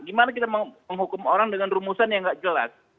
gimana kita menghukum orang dengan rumusan yang nggak jelas